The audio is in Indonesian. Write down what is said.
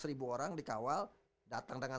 seribu orang dikawal datang dengan